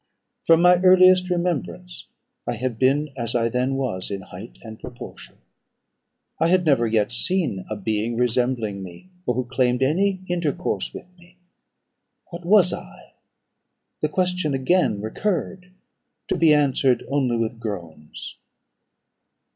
From my earliest remembrance I had been as I then was in height and proportion. I had never yet seen a being resembling me, or who claimed any intercourse with me. What was I? The question again recurred, to be answered only with groans.